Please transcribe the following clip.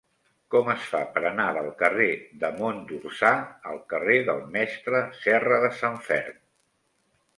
Com es fa per anar del carrer de Mont d'Orsà al carrer del Mestre Serradesanferm?